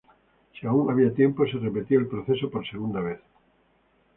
Si aún había tiempo, se repetía el proceso por segunda vez.